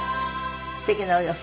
すてきなお洋服。